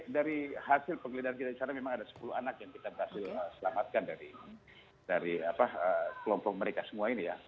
dari hasil penggelidahan kita disana memang ada sepuluh anak yang berhasil diselamatkan dari kelompok mereka semua ini ya